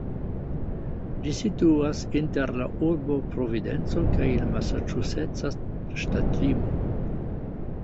Ĝi situas inter la urbo Providenco kaj la masaĉuseca ŝtatlimo.